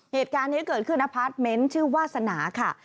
เหตุการณ์นี้เกิดขึ้นอพาร์ทเมนต์ชื่อวาสนาค่ะ